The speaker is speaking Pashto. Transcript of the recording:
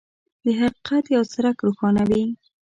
د حقیقت یو څرک روښانوي.